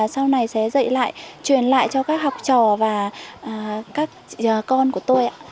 sau này sẽ dạy lại truyền lại cho các học trò và các con của tôi ạ